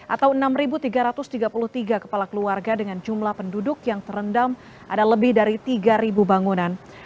atau enam tiga ratus tiga puluh tiga kepala keluarga dengan jumlah penduduk yang terendam ada lebih dari tiga bangunan